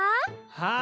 はい。